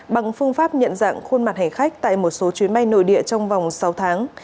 bằng phương pháp nhận dạng khuôn mặt hành khách tại một số chuyến bay nội địa trong vòng sáu tháng